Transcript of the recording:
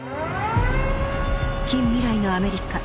近未来のアメリカ。